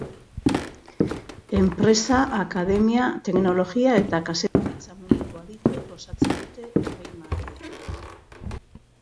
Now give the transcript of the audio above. Enpresa, akademia, teknologia eta kazetaritza munduko adituek osatzen dute epaimahaia.